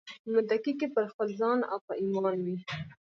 متکي که پر خپل ځان او په ايمان وي